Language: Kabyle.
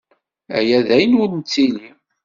Aya d ayen ur nettili.